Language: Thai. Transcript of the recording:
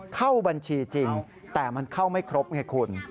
เข้าบัญชีจริงแต่มันเข้าไม่ครบไงคุณ